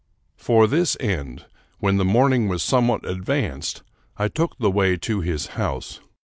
For this end, when the morning was some what advanced, I took the way to his house.